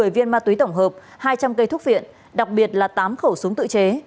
một mươi viên ma túy tổng hợp hai trăm linh cây thuốc viện đặc biệt là tám khẩu súng tự chế